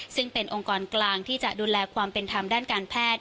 ซึ่งเป็นองค์กรกลางที่จะดูแลความเป็นธรรมด้านการแพทย์